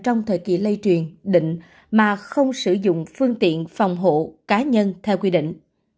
trong thời kỳ lây truyền định mà không sử dụng phương tiện phòng hộ cá nhân theo quy định